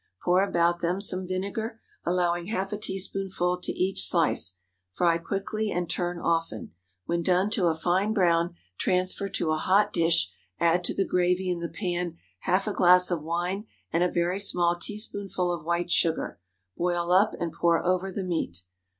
Pour about them some vinegar, allowing half a teaspoonful to each slice. Fry quickly and turn often. When done to a fine brown, transfer to a hot dish: add to the gravy in the pan half a glass of wine and a very small teaspoonful of white sugar. Boil up and pour over the meat.